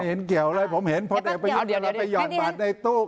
ไม่เห็นเกี่ยวเลยผมเห็นพลเอกประยุทธมันไปหย่อนบัตรในตู้